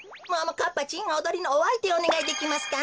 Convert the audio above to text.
かっぱちんおどりのおあいてをおねがいできますか？